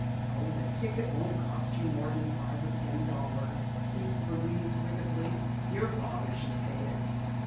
"Oh, the ticket won't cost you more than five or ten dollars," teased Louise wickedly. "Your father should pay it."